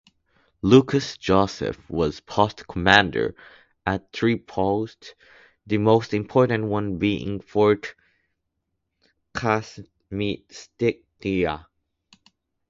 Louis-Joseph was post commander at three posts, the most important one being Fort Kaministiquia.